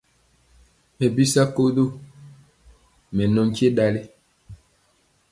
Mɛ bi sakoso, mɛ nɔ nkye ɗali.